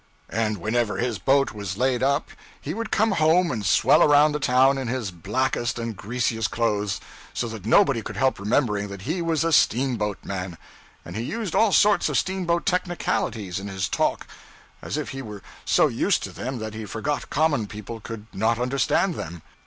And whenever his boat was laid up he would come home and swell around the town in his blackest and greasiest clothes, so that nobody could help remembering that he was a steamboatman; and he used all sorts of steamboat technicalities in his talk, as if he were so used to them that he forgot common people could not understand them.